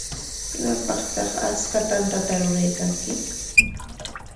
¿Imapaqtaq achka tantata ruraykanki?